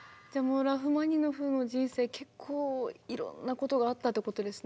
ラフマニノフの人生結構いろんなことがあったってことですね。